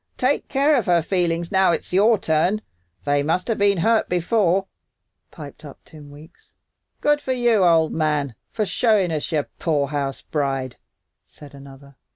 Take care of her feelings, now it's your turn. They must 'a' been hurt before," piped up Tim Weeks. "Good for you, old man, for showin' us your poorhouse bride," said another.